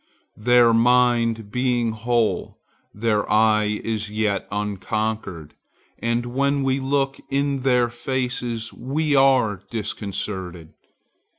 Their mind being whole, their eye is as yet unconquered, and when we look in their faces we are disconcerted.